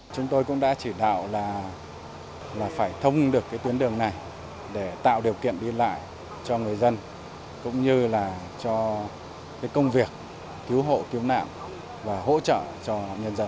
chúng tôi cũng đã chỉ đạo là phải thông được cái tuyến đường này để tạo điều kiện đi lại cho người dân cũng như là cho cái công việc cứu hộ cứu nạn và hỗ trợ cho nhân dân